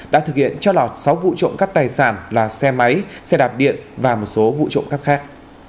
đã thực hiện cho lọt sáu vụ trộm cắt tài sản là xe máy xe đạp điện và một số vụ trộm cắt khác